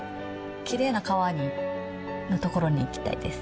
きれいな川の所に行きたいです。